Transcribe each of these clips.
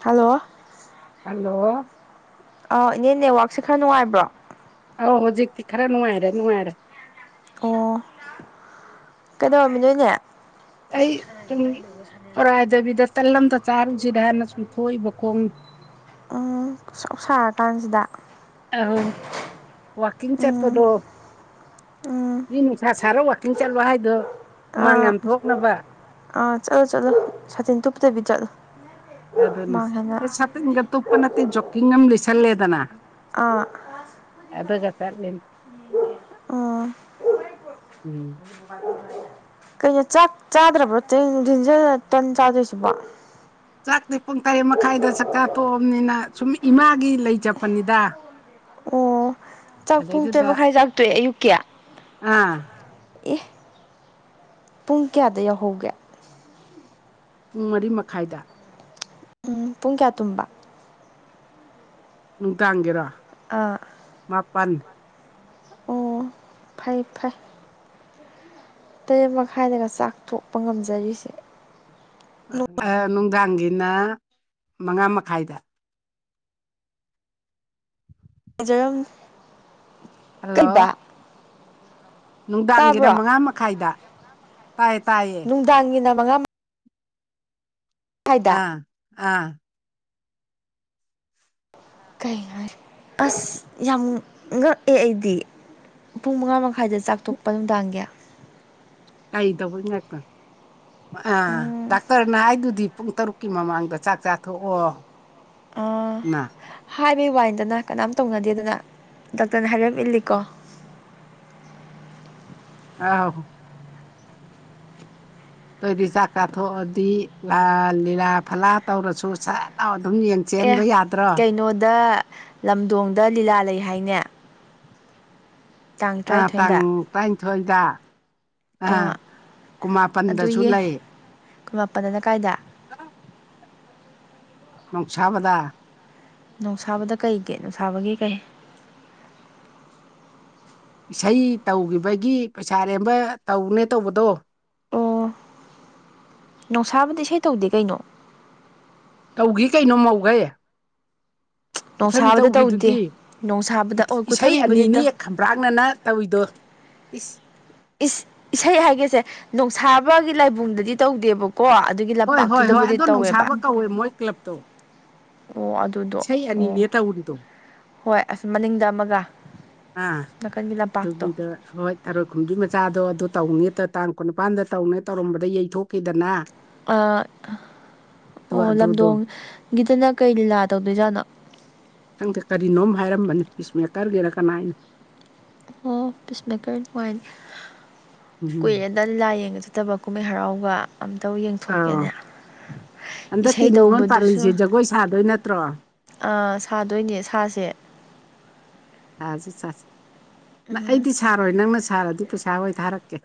Hello hello ꯑ ꯏꯅꯦ ꯅꯦꯠꯋꯔꯥꯛꯁꯦ ꯈꯔ ꯅꯨꯡꯉꯥꯏꯕ꯭ꯔꯣ ꯑꯧ ꯍꯧꯖꯤꯛꯇꯤ ꯈꯔ ꯅꯨꯡꯉꯥꯏꯔꯦ ꯅꯨꯡꯉꯥꯏꯔꯦ ꯑꯣ ꯀꯩꯗꯧꯔꯃꯤꯅꯣ ꯏꯅꯦ ꯑꯩ ꯁꯨꯝ ꯄꯨꯔꯥꯏꯗꯕꯤꯗ ꯇꯜ‌ ꯑꯝꯇꯥ ꯆꯥꯔꯨꯖꯤꯔꯅ ꯁꯨꯝ ꯊꯣꯛꯏꯕ ꯈꯣꯡ ꯎꯝ ꯁꯥꯔ ꯀꯥꯟꯖꯤꯗ ꯑꯧ ꯋꯥꯛꯀꯤꯡ ꯆꯠꯄꯗꯣ ꯎꯝ ꯎꯝ ꯃꯤ ꯅꯨꯡꯁꯥ ꯁꯥꯔ ꯋꯥꯛꯀꯤꯡ ꯆꯠꯂꯣ ꯍꯥꯏꯗꯣ ꯍꯨꯃꯥꯡ ꯑꯥ ꯌꯥꯝ ꯊꯣꯛꯅꯕ ꯑꯥ ꯆꯠꯂꯨ ꯆꯠꯂꯨ‌ ꯁꯥꯇꯤꯟ ꯇꯨꯞꯇꯕꯤ ꯆꯠꯂꯨ ꯑꯗꯨꯅꯤ ꯑꯦ ꯁꯥꯇꯤꯟꯒ ꯇꯨꯞꯄ ꯅꯠꯇꯦ ꯖꯣꯀꯤꯡ ꯑꯃ ꯂꯤꯠꯁꯜꯂꯦꯗꯅ ꯑꯥ ꯑꯗꯨꯒ ꯆꯠꯂꯤꯅꯤ ꯑꯥ ꯎꯝ [unintelligible] ꯀꯩꯅꯣ ꯆꯥꯛ ꯆꯥꯗ꯭ꯔꯕ꯭ꯔꫭ ꯇꯟ ꯆꯥꯗꯣꯏꯁꯤꯕ ꯆꯥꯛꯇꯤ ꯄꯨꯡ ꯇꯔꯦꯠ ꯃꯈꯥꯏꯗ ꯆꯥꯛꯆꯥ ꯇꯣꯛꯑꯕꯅꯤꯅ ꯁꯨꯝ ꯏꯃꯥꯒꯤ ꯂꯩ ꯆꯠꯄꯅꯤꯗ ꯑꯣ ꯆꯥꯛ ꯄꯨꯡ ꯇꯔꯦꯠ ꯑꯗꯩꯗꯨꯗ ꯃꯈꯥꯏ ꯆꯥꯛꯇꯣꯛꯑꯦ ꯑꯌꯨꯛꯀꯤ ꯑꯥ ꯑꯦ ꯄꯨꯡ ꯀꯌꯥꯗ ꯌꯥꯎꯍꯧꯒꯦ ꯄꯨꯡ ꯃꯔꯤ ꯃꯈꯥꯏꯗ ꯎꯝ ꯄꯨꯡ ꯀꯌꯥ ꯇꯨꯝꯕ ꯅꯨꯡꯗꯥꯡꯒꯤꯔꯣ ꯑꯥ ꯃꯥꯄꯥꯟ ꯑꯣ ꯐꯩ ꯐꯩ ꯇꯔꯦꯠ ꯃꯈꯥꯏꯗꯒ ꯆꯥꯛꯊꯣꯛꯄ ꯉꯝꯖꯔꯤꯁꯦ ꯑꯥ ꯅꯨꯡꯗꯥꯡꯒꯤꯅ ꯃꯉꯥ ꯃꯈꯥꯏꯗ [unintelligible] ꯀꯩꯕ ꯍꯜꯂꯣ ꯅꯨꯡꯗꯥꯡꯒꯤꯅ ꯇꯥꯕ꯭ꯔꯣ ꯃꯉꯥ ꯃꯈꯥꯏꯗ ꯇꯥꯏꯌꯦ ꯇꯥꯏꯌꯦ ꯅꯨꯡꯗꯥꯡꯒꯤꯅ ꯃꯉꯥ ꯍꯥꯏꯗ ꯑꯥ ꯑꯥ ꯀꯩꯅꯣ [unintelligible] ꯕꯁ ꯌꯥꯝ ꯉꯛꯑꯦ ꯑꯩꯗꯤ ꯄꯨꯡ ꯃꯉꯥ ꯃꯈꯥꯏꯗ ꯆꯥꯛ ꯇꯣꯛꯄ ꯅꯨꯡꯗꯥꯡꯒꯤ ꯀꯩ ꯇꯧꯕꯩ ꯉꯥꯛꯄ ꯑꯥ ꯎꯝ ꯗꯥꯛꯇꯔꯅ ꯍꯥꯏꯗꯨꯗꯤ ꯄꯨꯡ ꯇꯔꯨꯛ ꯀꯤ ꯃꯃꯥꯡꯗ ꯆꯥꯛ ꯆꯥꯊꯣꯛꯑꯣ ꯑꯥ ꯅꯥ ꯍꯥꯏꯕꯩ ꯋꯥꯅꯤꯗꯅ ꯀꯅꯥꯝ ꯇꯧꯅꯗꯦꯗꯅ ꯗꯥꯛꯇꯔꯅ ꯍꯥꯏꯔꯛ ꯏꯜꯂꯤꯀꯣ ꯑꯥꯎ ꯗꯣꯏꯗꯤ ꯆꯥꯛ ꯀꯥꯊꯣꯛꯑꯗꯤ ꯂꯥ ꯂꯤꯂꯥ ꯐꯂꯥ ꯇꯧꯔꯁꯨ ꯁꯠ ꯂꯥꯎ ꯑꯗꯨꯝ ꯌꯦꯡ ꯑꯦ ꯆꯦꯟꯕ ꯌꯥꯗ꯭ꯔꯣ ꯀꯩꯅꯣꯗ ꯂꯝꯗꯣꯡꯗ ꯂꯤꯂꯥ ꯂꯩ ꯍꯥꯏꯅꯦ ꯇꯥꯡ ꯑꯥ ꯇꯥꯡ ꯇꯔꯥꯅꯤꯊꯣꯏꯗ ꯇꯔꯥꯅꯤꯊꯣꯏꯗ ꯑꯥ ꯀꯨꯃꯥꯄꯟꯗꯁꯨ ꯂꯩ ꯀꯨꯟꯃꯥꯄꯟꯖꯅ ꯀꯥꯏꯗ [inaudible] ꯅꯣꯡꯁꯥꯕꯗ ꯅꯨꯡꯁꯥꯕꯗ ꯀꯩꯒꯤ ꯅꯨꯡꯁꯥꯕꯒꯤ ꯀꯩ ꯏꯁꯩ ꯇꯧꯒꯤꯕꯒꯤ ꯄꯩꯁꯥ ꯑꯔꯦꯝꯕ ꯇꯧꯅꯦ ꯇꯧꯕꯗꯣ ꯅꯣꯡꯁꯥꯕꯗꯤ ꯏꯁꯩ ꯇꯧꯗꯦ ꯀꯩꯅꯣ ꯇꯧꯒꯤ ꯀꯩꯅꯣ ꯃꯧꯈꯩ ꯄꯨꯊꯕꯤ ꯅꯣꯡꯁꯥꯕꯗ ꯇꯧꯈꯤꯗꯨꯗꯤ ꯇꯧꯗꯦ ꯅꯣꯡꯁꯥꯕꯗ ꯑꯣ ꯏꯁꯩ ꯀꯨꯊꯕꯤꯕꯨꯗꯤ ꯑꯅꯤꯅꯤ ꯇꯧ ꯈꯝꯕ꯭ꯔꯥꯛꯅꯅ ꯇꯧꯋꯤꯗꯣ ꯏꯁ ꯏꯁ ꯏꯁꯩ ꯍꯥꯏꯒꯦꯁꯦ ꯅꯣꯡꯁꯥꯕꯒꯤ ꯂꯥꯏꯕꯨꯡꯗꯗꯤ ꯇꯧꯗꯦꯕ ꯀꯣ ꯑꯗꯨꯒꯤ ꯍꯣꯏ ꯍꯣꯏ ꯍꯣꯏ ꯂꯝꯄꯥꯛꯇꯨꯗꯕꯨꯗꯤ ꯑꯗꯣ ꯇꯧꯋꯦꯕ ꯅꯨꯡꯁꯥꯕ ꯀꯧꯋꯦ ꯃꯣꯏ ꯀ꯭ꯂꯕꯇꯣ ꯑꯣ ꯑꯗꯨꯗꯣ ꯏꯁꯩ ꯑꯣ ꯑꯅꯤꯅꯦ ꯇꯧꯔꯤꯗꯣ ꯍꯣꯏ ꯑꯁ ꯃꯅꯤꯡꯗ ꯑꯃꯒ ꯅꯥꯀꯟꯒꯤ ꯂꯝꯄꯥꯛꯇꯣ [unintelligible] ꯇꯔꯣꯏ ꯈꯨꯨꯝꯒꯤ ꯃꯆꯥꯗꯣ ꯑꯗꯨ ꯇꯧꯅꯦ ꯇꯥꯡ ꯀꯨꯟꯅꯤꯄꯥꯟꯗ ꯇꯧꯅꯦ ꯇꯧꯔꯝꯕꯗ ꯌꯩꯊꯣꯛꯈꯤꯗꯅ ꯑꯥ ꯑꯗꯣ ꯑꯣ ꯑꯗꯨꯗꯣ ꯂꯝꯗꯣꯡꯒꯤꯗꯅ ꯀꯩ ꯂꯤꯂꯥ ꯇꯧꯗꯣꯏꯖꯥꯠꯅꯣ ꯈꯪꯗꯦ ꯀꯔꯤꯅꯣꯝ ꯍꯥꯏꯔꯝꯕꯅꯤ ꯄꯤꯁ ꯃꯦꯀꯔꯒꯤꯅ ꯀꯅꯥꯏꯅꯣ ꯑꯣ ꯄꯤꯁꯃꯦꯀꯔ ꯅꯨꯡꯉꯥꯏ ꯎꯝ ꯀꯨꯏꯔꯦ ꯇ ꯂꯤꯂꯥ ꯌꯦꯡꯕ ꯆꯠꯇꯕ ꯀꯨꯝꯍꯩ ꯍꯔꯥꯎꯒ ꯑꯝꯇꯕꯨ ꯑꯧ ꯌꯦꯡꯊꯣꯛꯀꯦꯅꯦ ꯍꯟꯗꯛꯀꯤ ꯏꯁꯩ ꯅꯤꯉꯣꯜ ꯄꯥꯜꯂꯤꯁꯦ ꯖꯒꯣꯏ ꯁꯥꯗꯣꯏ ꯅꯠꯇ꯭ꯔꯣ ꯑꯥ ꯁꯥꯗꯣꯏꯅꯦ ꯁꯥꯁꯦ ꯁꯥꯁꯤ ꯁꯁꯤ ꯅꯪ ꯑꯩꯗꯤ ꯁꯥꯔꯣꯏ ꯅꯪꯅ ꯁꯥꯔꯗꯤ ꯄꯩꯁꯥ ꯑꯣꯏ ꯊꯥꯔꯛꯀꯦ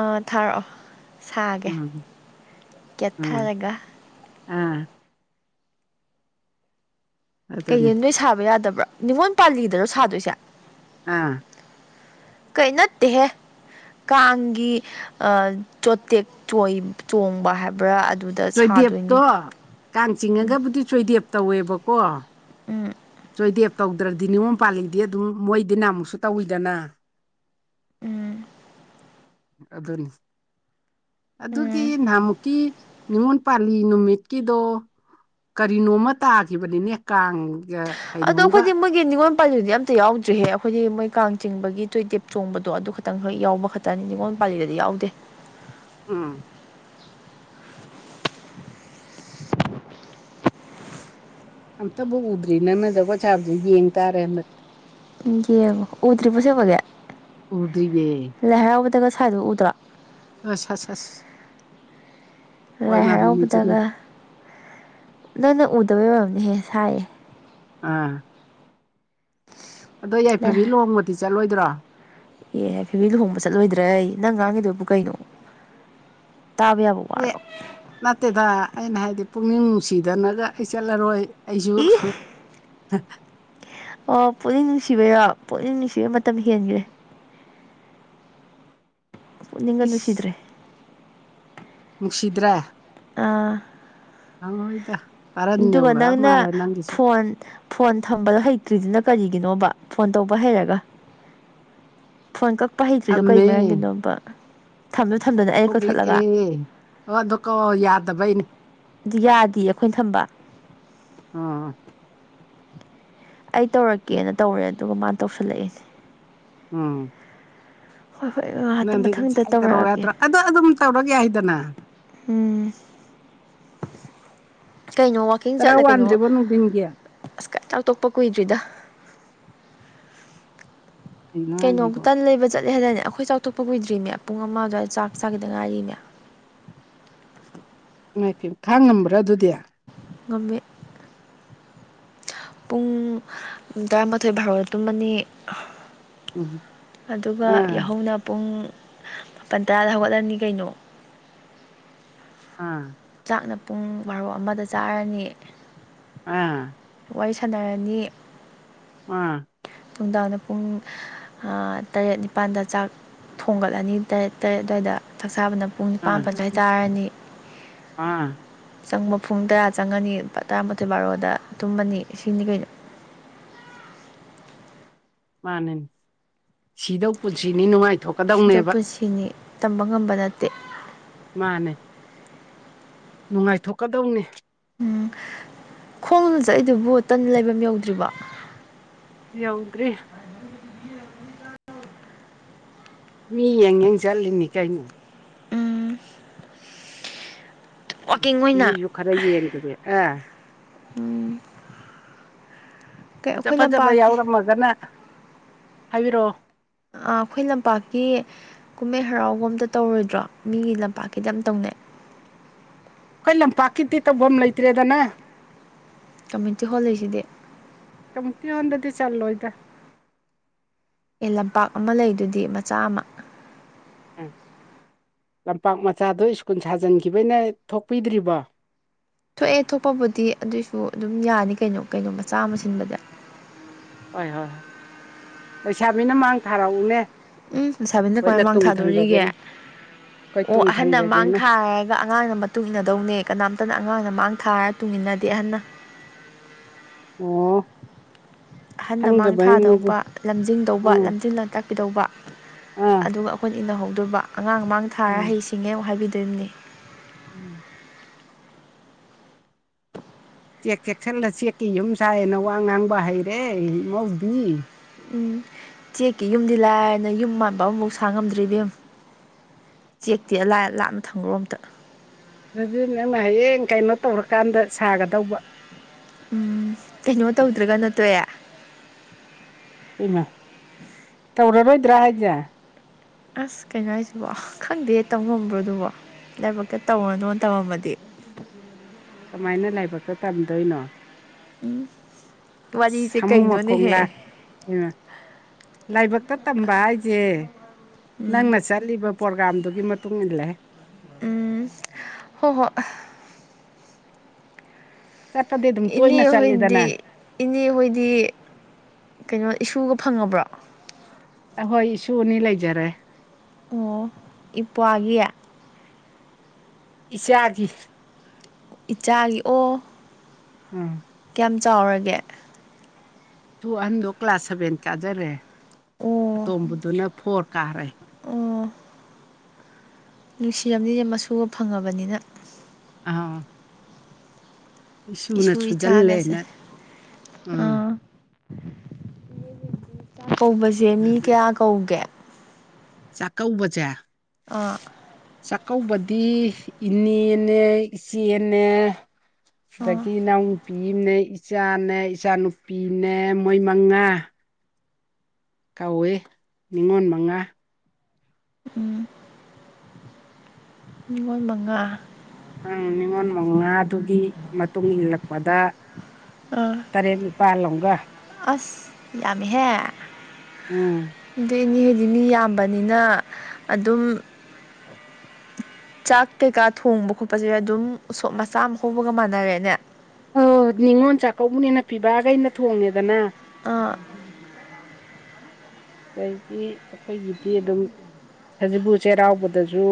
ꯑꯥ ꯊꯥꯔꯛꯑꯣ ꯁꯥꯒꯦ ꯎꯝ ꯀꯦꯠꯊꯥꯔꯒ ꯎꯨꯝ ꯑꯗꯨꯅꯤ ꯀꯩꯒꯤꯟ ꯅꯣꯏ ꯁꯥꯕ ꯌꯥꯗꯕ꯭ꯔꯥ ꯅꯤꯉꯣꯜ ꯄꯥꯜꯂꯤꯗꯔꯣ ꯁꯥꯗꯣꯏꯁꯦ ꯑꯥ ꯀꯩꯩ ꯅꯠꯇꯦꯍꯦ ꯀꯥꯡꯒꯤ ꯑꯥ ꯆꯣꯇꯦꯛ ꯆꯣꯏ ꯆꯣꯡꯕ ꯍꯥꯏꯕ꯭ꯔꯥ ꯑꯗꯨ ꯆꯣꯏꯗꯦꯞꯇꯣ ꯀꯥꯡ ꯆꯤꯡꯉꯒꯕꯨꯗꯤ ꯆꯣꯏꯗꯦꯞ ꯇꯧꯋꯦꯕꯀꯣ ꯎꯨꯝ ꯆꯣꯏꯗꯦꯞ ꯇꯧꯗ꯭ꯔꯗꯤ ꯅꯤꯉꯣꯝ ꯄꯥꯜꯂꯤꯗꯤ ꯑꯗꯨꯝ ꯃꯣꯏꯗꯤ ꯅꯃꯨꯛꯁꯨ ꯇꯧꯋꯤꯗꯅ ꯎꯝ ꯑꯗꯨꯅꯤ ꯑꯗꯨꯒꯤ ꯎꯝ ꯅꯍꯥꯃꯨꯛꯀꯤ ꯅꯤꯉꯣꯜ ꯄꯥꯜꯂꯤ ꯅꯨꯃꯤꯠꯀꯤꯗꯣ ꯀꯔꯤꯅꯣꯝꯃ ꯇꯥꯈꯤꯕꯅꯤꯅꯦ ꯀꯥꯡꯒ ꯑꯗꯣ ꯀꯩꯅꯣꯝꯒ ꯑꯩꯈꯣꯏꯗꯤ ꯃꯣꯏꯒꯤ ꯅꯤꯡꯉꯣꯜ ꯄꯥꯏꯕꯤꯗꯤ ꯑꯝꯇ ꯌꯥꯎꯗ꯭ꯔꯤꯍꯦ ꯑꯩꯈꯣꯏꯗꯤ ꯃꯣꯏ ꯀꯥꯡ ꯆꯤꯡꯕꯒꯤ ꯇꯣꯏꯇꯦꯞ ꯆꯣꯡꯕꯗꯣ ꯑꯗꯨ ꯈꯤꯇꯪ ꯌꯥꯎꯕ ꯈꯛꯇꯅꯤ ꯅꯤꯡꯉꯣꯜ ꯄꯥꯜꯂꯤꯗꯗꯤ ꯌꯥꯎꯗꯦ ꯎꯝ ꯑꯝꯇꯎꯨ ꯎꯗ꯭ꯔꯤ ꯅꯪꯅ‌‌ ꯖꯒꯣꯏ ꯁꯥꯕꯗꯨ ꯌꯦꯡ ꯇꯥꯔꯦ ꯍꯟꯗꯛ ꯌꯦꯉꯋꯦ ꯎꯗ꯭ꯔꯤꯕꯣ‌‌ ꯑꯁꯦꯛꯕꯒꯤ ꯎꯗꯔꯤꯌꯦ ꯂꯥꯏ ꯍꯔꯥꯎꯕꯗꯒ ꯁ꯭ꯋꯢꯗꯣ ꯎꯗ꯭ꯔꯣ [unintelligible] ꯍꯣꯏ ꯂꯥꯏ ꯃꯥ ꯅꯨꯃꯤꯠꯁꯤꯅ ꯍꯔꯥꯎꯕꯗꯒ ꯅꯪꯅ ꯎꯗꯕꯩ ꯑꯣꯏꯔꯝꯅꯤꯍꯦ ꯁꯥꯏꯌꯦ ꯑꯥ ꯑꯗꯣ ꯂꯥꯏ ꯌꯥꯏꯐꯕꯤ ꯂꯨꯍꯣꯡꯕꯗꯤ ꯆꯠꯂꯣꯏꯗ꯭ꯔꯣ ꯑꯦ ꯌꯥꯏꯐꯕꯤ ꯂꯨꯍꯣꯡꯕ ꯆꯠꯂꯣꯏꯗ꯭ꯔꯌꯦ ꯅꯪ ꯉꯥꯡꯏꯗꯨꯕꯨ ꯀꯩꯅꯣ ꯇꯥꯕ ꯌꯥꯕ ꯋꯥꯔꯣ ꯅꯠꯇꯦꯗ ꯑꯩꯅ ꯍꯥꯏꯗꯤ ꯄꯨꯛꯅꯤꯡ ꯅꯨꯡꯁꯤꯗꯅꯒ ꯑꯩ ꯆꯠꯂꯔꯣꯏ ꯑꯩꯁꯨ ꯏ ꯑꯣ ꯄꯨꯛꯅꯤꯡ ꯅꯨꯡꯁꯤꯕꯩꯔꯣ ꯄꯨꯛꯅꯤꯡ ꯅꯨꯡꯁꯤꯕꯩ ꯃꯇꯝ ꯍꯦꯟꯈ꯭ꯔꯦ [inaudible] ꯄꯨꯛꯅꯤꯡꯒ ꯏꯁ ꯅꯨꯡꯁꯤꯗꯔꯦ ꯅꯨꯡꯁꯤꯗ꯭ꯔꯦ ꯑꯥ ꯅꯪꯉꯣꯏꯗ ꯑꯗꯨꯒ ꯅꯪꯅ ꯐꯣꯟ ꯐꯣꯟ ꯊꯝꯕꯗꯣ ꯍꯩꯇ꯭ꯔꯤꯗꯨꯅ ꯀꯔꯤꯒꯤꯅꯣꯕ ꯐꯣꯟ ꯇꯧꯕ ꯍꯩꯔꯒ ꯐꯣꯟ ꯀꯛꯄ ꯍꯩꯇ꯭ꯔꯤꯗꯣ ꯀꯩ ꯊꯝꯃꯦ ꯃꯔꯝꯒꯤꯅꯣꯕ ꯊꯝꯅꯨ ꯊꯝꯗꯅ ꯑꯩꯅ ꯊꯣꯛꯂꯛ ꯀꯛꯊꯠꯂꯒ ꯑꯦ ꯑꯗꯨ ꯀꯣ ꯌꯥꯗꯕꯩꯅꯤ ꯌꯥꯗꯤꯌꯦ ꯑꯩꯈꯣꯏꯅ ꯊꯝꯕ ꯑꯥ ꯑꯩ ꯇꯧꯔꯛꯀꯦꯅ ꯇꯧꯔꯦ ꯑꯗꯨꯒ ꯃꯥꯅ ꯇꯧꯁꯜꯂꯛꯏꯅꯦ ꯎꯝ ꯍꯣꯏ‌‌‌‌‌‌‌ꯍꯣꯏ‌‌‌‌‌‌‌‌ꯑꯥ ꯅꯪꯗꯤ ꯉꯁꯥꯏ ꯇꯧꯔꯣꯑꯣ ꯌꯥꯗ꯭ꯔꯣ ꯑꯗꯨꯗ ꯑꯗꯨꯝ ꯇꯧꯔꯛ ꯌꯥꯏꯗꯅ ꯎꯝ ꯀꯩꯅꯣ ꯋꯥꯀꯤꯡ ꯆꯔꯥ ꯆꯠꯂ ꯀꯩꯅꯣ ꯋꯥꯟꯗ꯭ꯔꯤꯕꯣ ꯅꯨꯡꯊꯤꯟꯒꯤ ꯑꯁ ꯆꯥꯛ ꯇꯣꯛꯄ ꯀꯨꯏꯗ꯭ꯔꯤꯗ ꯀꯩꯅꯣ ꯀꯩꯅꯣꯛ‌‌‌‌ ꯍꯥꯏꯁꯤꯕꯣ ꯇꯟ ꯂꯩꯕ ꯆꯠꯂꯦ ꯍꯥꯏꯅꯅꯦ ꯑꯩꯈꯣꯏ ꯆꯥꯎꯊꯣꯛꯄ ꯀꯨꯏꯗ꯭ꯔꯤꯃꯦ ꯄꯨꯡ ꯑꯃ ꯑꯗꯨꯋꯥꯏꯗ ꯆꯥꯛ ꯆꯥꯈꯤꯗ ꯉꯥꯏꯔꯤꯅꯦ ꯏꯃꯥꯏꯄꯦꯝꯃꯥ ꯈꯥꯡꯉꯝꯕ꯭ꯔꯥ ꯑꯗꯨꯗꯤ ꯉꯝꯃꯦ ꯄꯨꯡ ꯇꯔꯥꯃꯥꯊꯣꯏ ꯚꯥꯔꯣꯗ ꯇꯨꯝꯃꯅꯤ ꯎꯝ ꯑꯗꯨꯒ ꯑꯥ ꯌꯥꯍꯧꯅ ꯄꯨꯡ ꯃꯥꯄꯟ ꯇꯔꯥꯗ ꯍꯧꯒꯠꯂꯅꯤ ꯀꯩꯅꯣ ꯑꯥ ꯆꯥꯛꯅ ꯄꯨꯡ ꯕꯥꯔꯣ ꯑꯃꯗ ꯆꯥꯔꯅꯤ ꯑꯥ ꯋꯥꯔꯤ ꯁꯥꯟꯅꯔꯅꯤ ꯑꯥ ꯅꯨꯡꯗꯥꯡꯗ ꯄꯨꯡ ꯑ ꯇꯔꯦꯠ ꯅꯤꯄꯥꯜꯗ ꯆꯥꯛ ꯊꯣꯡꯒꯠꯂꯅꯤ ꯇꯔꯦꯠ ꯇꯔꯦꯠ ꯑꯗꯨꯋꯥꯏꯗ ꯆꯥꯛ ꯆꯥꯕꯅ ꯄꯨꯡ ꯅꯤꯄꯥꯥꯟ ꯑꯥ ꯃꯥꯄꯟ ꯑꯗꯨꯋꯥꯏ ꯆꯥꯔꯅꯤ꯫ ꯑꯥ ꯆꯪꯕ ꯄꯨꯡ ꯇꯔꯥ ꯆꯪꯉꯅꯤ ꯇꯔꯥꯃꯥꯊꯣꯏ ꯕꯥꯔꯣꯗ ꯇꯨꯝꯃꯅꯤ ꯁꯤꯅꯤ ꯀꯩꯅꯣ꯫ ꯃꯥꯅꯦ ꯁꯤꯗꯧ ꯄꯨꯟꯁꯤꯅꯤ ꯅꯨꯡꯉꯥꯏꯊꯣꯛ ꯁꯤꯗꯧ ꯄꯨꯟꯁꯤꯅꯤ ꯇꯝꯕ ꯉꯝꯕ ꯅꯠꯇꯦ꯫ ꯃꯥꯅꯦ꯫ ꯅꯨꯡꯉꯥꯏꯊꯣꯛꯀꯗꯧꯅꯦ꯫ ꯎꯝ ꯈꯣꯡꯅ ꯆꯠꯏꯗꯨꯕꯨ ꯇꯟꯅ ꯂꯩꯐꯝ ꯌꯧꯗ꯭ꯔꯤꯕꯣ? ꯌꯥꯎꯗ꯭ꯔꯤ꯫ [unintelligible] ꯃꯤ ꯌꯦꯡ ꯌꯦꯡ ꯆꯠꯂꯤꯅꯤ ꯀꯩꯅꯣ꯫ ꯋꯥꯛꯀꯤꯡ ꯑꯣꯏꯅ ꯃꯤꯁꯨ ꯈꯔ ꯌꯦꯡꯗꯕꯤ ꯑꯦ ꯀꯩ ꯐꯖ ꯑꯩꯈꯣꯏ ꯐꯖꯕ ꯂꯝꯄꯥꯛꯀꯤ ꯌꯥꯎꯔꯝꯃꯒꯅ ꯍꯥꯏꯕꯤꯔꯛꯑꯣ꯫ ꯑ ꯑꯩꯈꯣꯏ ꯂꯝꯄꯥꯛꯀꯤ ꯀꯨꯝꯍꯩ ꯍꯔꯥꯎꯒꯨꯝ ꯑꯃꯇ ꯇꯧꯔꯣꯏꯗ꯭ꯔꯣ ꯃꯤꯒꯤ ꯂꯝꯄꯥꯛꯀꯤꯗꯤ ꯑꯝꯇꯧꯅꯩ꯫ ꯑꯩꯈꯣꯏ ꯂꯝꯄꯥꯛꯀꯤꯗꯤ ꯇꯧꯐꯝ ꯂꯩꯇ꯭ꯔꯦꯗꯅ꯫ Community hall ꯂꯩꯁꯤꯗꯤ꯫ ꯀꯝꯃ꯭ꯅꯨꯇꯤ ꯍꯟꯗꯗꯤ ꯆꯜꯂꯣꯏꯗ꯫ ꯑꯦ ꯂꯝꯄꯥꯛ ꯑꯃ ꯂꯩꯗꯨꯗꯤ ꯃꯆꯥ ꯑꯃ꯫ ꯑꯝ ꯂꯝꯄꯥꯛ ꯃꯆꯥꯗꯣ ꯁ꯭ꯀꯨꯜ ꯁꯥꯖꯤꯟꯈꯤꯕꯩꯅ ꯊꯣꯛꯄꯤꯗ꯭ꯔꯤꯕꯣ? ꯊꯣꯛꯑꯦ ꯊꯣꯛꯄꯕꯨꯗꯤ ꯑꯗꯨꯏꯁꯨ ꯑꯗꯨꯝ ꯌꯥꯅꯤ ꯀꯩꯅꯣ ꯀꯩꯅꯣ ꯃꯆꯥ ꯑꯃ ꯁꯤꯟꯕꯗꯤ꯫ ꯍꯣꯏ ꯍꯣꯏ ꯍꯣꯏ ꯂꯩꯁꯥꯕꯤꯅ ꯃꯥꯡ ꯊꯥꯔꯛꯎꯅꯦ꯫ ꯎꯝ ꯂꯩꯁꯥꯕꯤꯟꯗ ꯑꯩꯈꯣꯏꯅ ꯀꯃꯥꯏꯅ ꯃꯥꯡ ꯇꯨꯡ ꯊꯥꯗꯣꯔꯤꯒꯦ ꯊꯪꯖꯒꯦꯅ ꯑꯩꯈꯣꯏ ꯑꯣ ꯇꯨꯡ ꯑꯍꯟꯅ ꯃꯥꯡ ꯊꯪꯖꯒꯦꯅ ꯊꯥ ꯑꯗꯨꯒ ꯑꯉꯥꯡꯅ ꯃꯇꯨꯡ ꯏꯟꯅꯗꯧꯅꯦ ꯀꯅꯥꯝꯇꯅ ꯑꯉꯥꯡꯅ ꯃꯥꯡ ꯊꯥꯔꯒ ꯇꯨꯡ ꯏꯟꯅꯗꯦ ꯑꯍꯟꯅ꯫ ꯑꯣ ꯑꯍꯟꯅ ꯃꯥꯡ ꯈꯪꯗꯕꯩꯅꯦ ꯊꯥꯗꯧꯕ ꯂꯝꯖꯤꯡꯗꯧꯕ ꯎꯝ ꯂꯝꯖꯤꯡꯅ ꯇꯥꯛꯄꯤꯗꯧꯕ꯫ ꯑꯥ ꯑꯗꯨꯒ ꯑꯩꯈꯣꯏꯅ ꯏꯅꯍꯧꯗꯨꯕ ꯑꯉꯥꯡ ꯃꯥꯡ ꯊꯥꯔ ꯎꯝ ꯍꯩ ꯁꯤꯡꯉꯦ ꯑꯃꯨꯛ ꯍꯥꯏꯕꯤꯗꯣꯏꯅꯤ꯫ ꯎꯝ ꯆꯦꯛ ꯆꯦꯛꯁꯤꯜꯂ ꯆꯦꯛꯀꯤ ꯌꯨꯝ ꯁꯥꯏꯌꯦꯅ ꯋꯥ ꯉꯥꯡꯕ ꯍꯩꯔꯦ ꯏꯃꯧꯗꯤ꯫ ꯎꯝ ꯆꯦꯛꯀꯤ ꯌꯨꯝꯗꯤ ꯂꯥꯏꯗꯅ ꯌꯨꯝ ꯃꯥꯟꯕ ꯑꯃꯐꯥꯎ ꯁꯥꯡꯉꯝꯗ꯭ꯔꯤ ꯏꯕꯦꯝꯃ꯫ ꯆꯦꯛꯇꯤ ꯑꯂꯥꯏ ꯂꯥꯞꯅ ꯊꯪꯈ꯭ꯔꯣ ꯑꯝꯇ꯫ ꯑꯗꯨꯗꯤ ꯅꯪꯅ ꯍꯌꯦꯡ ꯀꯩꯅꯣ ꯇꯧꯔꯀꯥꯟꯗ ꯁꯥꯒꯗꯧꯕ꯫ ꯎꯝ ꯀꯩꯅꯣ ꯇꯧꯗ꯭ꯔꯒꯅ ꯇꯣꯛꯑꯦ꯫ ꯑꯩꯃꯥ ꯇꯧꯔꯔꯣꯏꯗ꯭ꯔꯥ ꯍꯥꯏꯁꯦ꯫ ꯑꯁ ꯀꯩꯅꯣ ꯍꯥꯏꯁꯤꯕꯣ ꯈꯪꯗꯦ ꯇꯧꯉꯝꯕ꯭ꯔꯣ ꯑꯗꯨꯕꯨ ꯂꯥꯏꯕꯛꯇ ꯇꯧꯔꯅꯣꯅ ꯇꯝꯃꯝꯃꯗꯤ꯫ ꯀꯃꯥꯏꯅ ꯂꯥꯏꯕꯛꯇ ꯇꯝꯗꯣꯏꯅꯣ꯫ ꯎꯝ ꯋꯥꯔꯤꯁꯦ ꯀꯩꯅꯣꯅꯦꯍꯦ꯫ ꯍꯩꯃꯥ ꯂꯥꯏꯕꯛꯇ ꯇꯝꯕ ꯍꯥꯏꯁꯦ꯫ ꯅꯪꯅ ꯆꯠꯂꯤꯕ ꯄ꯭ꯔꯣꯒꯥꯝꯗꯨꯒꯤ ꯃꯇꯨꯡ ꯏꯟꯂꯦ꯫ ꯎꯝ ꯍꯣ ꯍꯣ ꯆꯠꯄꯗꯤ ꯑꯗꯨꯝ ꯇꯣꯏꯅ ꯏꯅꯦꯍꯣꯏꯗꯤ ꯆꯠꯂꯤꯗꯅ ꯏꯅꯦꯍꯣꯏꯗꯤ ꯀꯩꯅꯣ ꯏꯁꯨꯒ ꯐꯪꯉꯕ꯭ꯔꯣ? ꯑꯍꯣꯏ ꯏꯁꯨ ꯑꯅꯤ ꯂꯩꯖꯔꯦ꯫ ꯑꯣ ꯏꯄ꯭ꯋꯥꯒꯤ ꯏꯆꯥꯒꯤ ꯏꯆꯥꯒꯤ ꯑꯣ ꯎꯝ ꯀꯌꯥꯝ ꯆꯥꯎꯔꯒꯦ ꯑꯗꯨ ꯑꯍꯟꯗꯣ ꯀ꯭ꯂꯥꯁ ꯁꯚꯦꯟ ꯀꯥꯖꯔꯦ ꯑꯣ ꯑꯇꯣꯝꯕꯗꯨꯅ ꯐꯣꯔ ꯀꯥꯔꯦ ꯑꯣ ꯅꯨꯡꯁꯤꯔꯝꯅꯤꯅꯦ ꯃꯁꯨꯒ ꯐꯪꯉꯥꯕꯅꯤꯅ ꯑꯧ ꯏꯁꯨ ꯏꯆꯥꯒꯁꯦ ꯁꯨꯖꯜꯂꯦꯅ ꯎꯝ ꯑ ꯀꯧꯕꯁꯦ ꯃꯤ ꯑꯗꯨꯅꯤ ꯀꯌꯥ ꯀꯧꯒꯦ ꯆꯥꯛꯀꯧꯕꯁꯦ ꯑꯥ ꯆꯥꯛꯀꯧꯕꯗꯤ ꯏꯅꯦꯅꯦ ꯏꯆꯦꯅꯦ ꯑꯥ ꯑꯗꯒꯤ ꯏꯅꯥꯎꯅꯨꯄꯤ ꯑꯝꯅꯦ ꯏꯆꯥꯅꯦ ꯏꯆꯥꯅꯨꯄꯤꯅꯦ ꯃꯣꯏ ꯃꯉꯥ ꯀꯧꯋꯦ ꯅꯤꯉꯣꯜ ꯃꯉꯥ ꯎꯝ ꯅꯤꯉꯣꯜ ꯃꯉꯥ ꯑ ꯅꯤꯉꯣꯜ ꯃꯉꯥꯗꯨꯒꯤ ꯃꯇꯨꯡ ꯏꯜꯂꯛꯄꯗ ꯑꯥ ꯇꯔꯦꯠ ꯅꯤꯄꯥꯜ ꯑꯝꯒꯥ ꯑꯁ ꯌꯥꯝꯃꯦꯍꯦ ꯎꯝ ꯑꯗꯨ ꯏꯅꯦꯍꯣꯏꯗꯤ ꯃꯤ ꯌꯥꯝ ꯕꯅꯤꯅ ꯑꯗꯨꯝ ꯆꯥꯛ ꯀꯩꯀꯥ ꯊꯣꯡꯕ ꯈꯣꯠꯄꯁꯦ ꯑꯗꯨꯝ ꯎꯁꯣꯞ ꯃꯆꯥ ꯑꯃ ꯍꯧꯕꯒ ꯃꯥꯟꯅꯔꯦꯅꯦ ꯑꯣ ꯅꯤꯉꯣꯜ ꯆꯥꯛꯀꯧꯕꯅꯤꯅ ꯄꯤꯕꯥꯒꯩꯅ ꯊꯣꯡꯉꯦꯗꯅ ꯑꯥ ꯑꯗꯩꯗꯤ ꯑꯩꯈꯣꯏꯒꯤꯗꯤ ꯑꯗꯨꯝ ꯁꯖꯤꯕꯨ ꯆꯩꯔꯥꯎꯕꯗꯁꯨ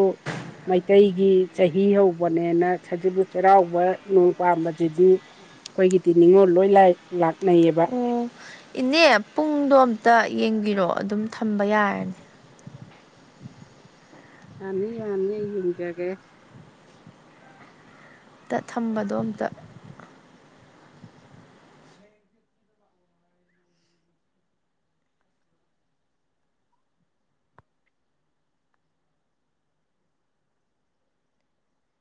ꯃꯩꯇꯩꯒꯤ ꯆꯍꯤ ꯍꯧꯕꯅꯦꯅ ꯁꯖꯤꯕꯨ ꯆꯩꯔꯥꯎꯕ ꯅꯣꯡ ꯄꯥꯟꯄꯥꯟꯕꯖꯤꯗꯤ ꯑꯩꯈꯣꯏꯒꯤꯗꯤ ꯅꯤꯉꯣꯜ ꯂꯣꯏ ꯂꯥꯏ ꯂꯥꯛꯅꯩꯌꯦꯕ ꯑꯣ ꯏꯅꯦ ꯄꯨꯡꯗꯣ ꯑꯝꯇ ꯌꯦꯡꯕꯤꯔꯣ ꯑꯗꯨꯝ ꯊꯝꯕ ꯌꯥꯔꯅꯤ ꯌꯥꯝꯅꯤ ꯌꯥꯝꯅꯤ ꯑꯩ ꯌꯦꯡꯖꯒꯦ ꯇ ꯊꯝꯕꯗꯣ ꯑꯝꯇ